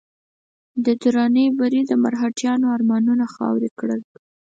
د دراني بري د مرهټیانو ارمانونه خاورې کړل.